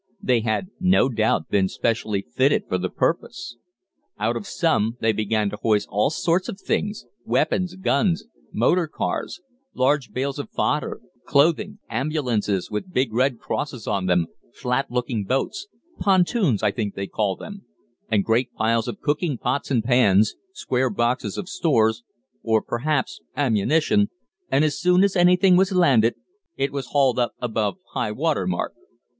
They had, no doubt, been specially fitted for the purpose. Out of some they began to hoist all sorts of things, wagons, guns, motor cars, large bales of fodder, clothing, ambulances with big red crosses on them, flat looking boats pontoons I think they call them and great piles of cooking pots and pans, square boxes of stores, or perhaps ammunition, and as soon as anything was landed it was hauled up above high water mark.